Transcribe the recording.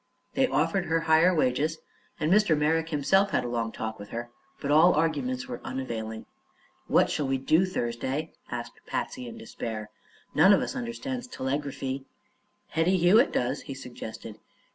They offered her higher wages, and Mr. Merrick himself had a long talk with her, but all arguments were unavailing. "What shall we do, Thursday?" asked Patsy in despair. "None of us understands telegraphy." "Hetty Hewitt does," he suggested.